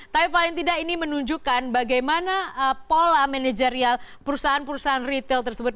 tapi paling tidak ini menunjukkan bagaimana pola manajerial perusahaan perusahaan retail tersebut